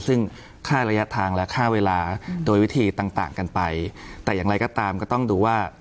ซึ่งค่าระยะทางและค่าเวลาโดยวิธีต่างต่างกันไปแต่อย่างไรก็ตามก็ต้องดูว่า